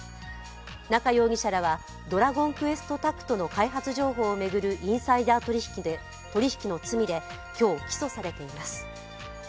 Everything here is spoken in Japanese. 中容疑者らはドラゴンクエストタクトの開発情報を巡るインサイダー取引の罪で今日、起訴されています。